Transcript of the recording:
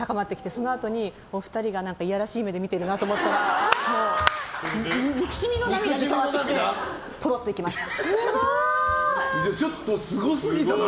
そのあとに、お二人がいやらしい目で見ているなと思ったら憎しみの涙に変わってきてポロッといけました。